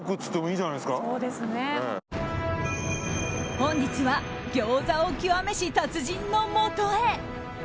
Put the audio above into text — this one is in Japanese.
本日は餃子を極めし達人のもとへ。